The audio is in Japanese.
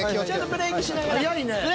ブレーキしながら。